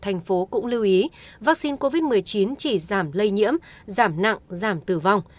thành phố cũng lưu ý vaccine covid một mươi chín chỉ giảm lây nhiễm giảm nặng giảm tử vong